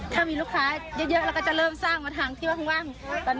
ถ้ามีลูกค้าเยอะเราก็จะเริ่มสร้างมาทางที่ว่าข้างล่างตอนนี้